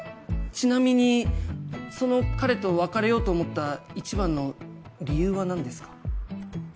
ちなみにその彼と別れようと思った一番の理由は何ですか？